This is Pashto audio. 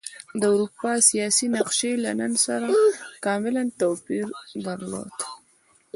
د اروپا سیاسي نقشې له نن سره کاملا توپیر درلود.